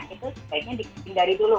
itu sebaiknya dihindari dulu